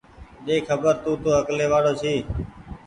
ۮيکبر تونٚ تو اڪلي وآڙو ڇي